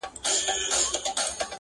دنیا فاني ده بیا به وکړی ارمانونه!!